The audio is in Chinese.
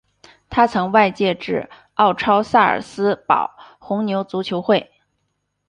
他曾外借至奥超萨尔斯堡红牛足球会。